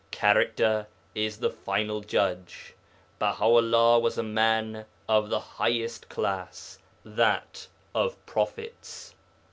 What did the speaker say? Character is the final judge. Baha 'ullah was a man of the highest class that of prophets.